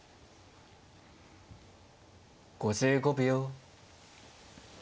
５５秒。